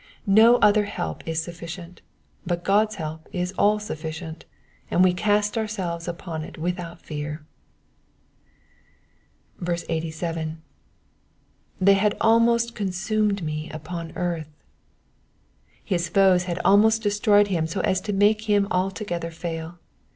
No other help is sufficient, but God's help is all suflicient, and we cast ourselves upon it without fear. 87. ^^They had almost conmined me upon earth.'' ^ His foes had almost destroyed him so as to make him altogether fail.